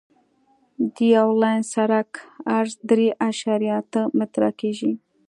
د یو لاین سرک عرض درې اعشاریه اته متره کیږي